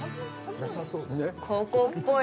ここっぽい。